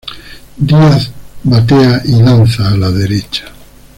Díaz batea y lanza a la derecha.